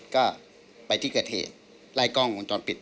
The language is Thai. ก็ไปที่เกิดเหตุไล่กล้องวงจรปิด